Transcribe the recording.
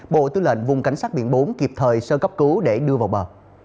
bộ tư lệnh vùng cảnh sát biển bốn kịp thời sơ cấp cứu để đưa vào bờ